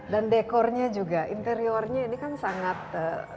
dan dekornya juga interiornya ini kan sangat nuansanya